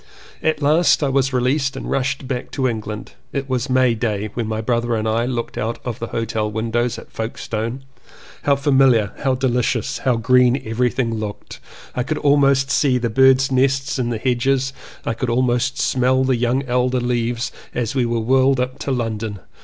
At last I was released and rushed back to England. It was May Day when my brother and I looked out of the hotel windows at Folkestone. How familiar, how delicious, how green everything looked, I could almost see the birds' nests in the hedges, could almost smell the young elder leaves as we were whirled up to London.